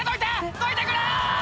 どいてくれ！」